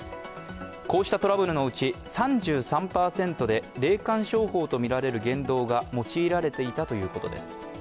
こうしたトラブルのうち、３３％で霊感商法とみられる言動が用いられていたということです。